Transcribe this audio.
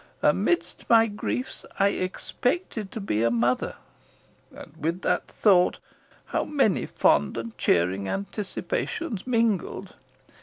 Amidst my griefs I expected to be a mother, and with that thought how many fond and cheering anticipations mingled!